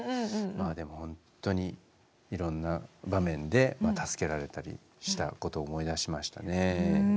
まあでもホントにいろんな場面で助けられたりしたことを思い出しましたね。